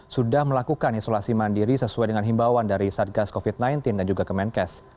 sudah melakukan isolasi mandiri sesuai dengan himbauan dari satgas covid sembilan belas dan juga kemenkes